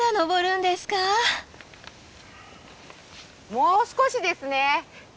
もう少しですね。